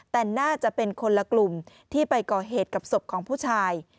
แต่น่าจะเป็นคนละกลุ่มที่ไปก่อเหตุกับศพของผู้ชาย